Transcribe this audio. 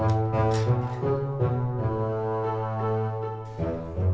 jangan lupa like share dan subscribe ya